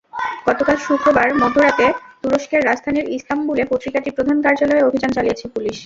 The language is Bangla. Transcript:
গতকাল শুক্রবার মধ্যরাতে তুরস্কের রাজধানীর ইস্তাম্বুলে পত্রিকাটির প্রধান কার্যালয়ে অভিযান চালিয়েছে পুলিশ।